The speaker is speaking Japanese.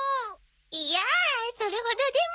いやあそれほどでも。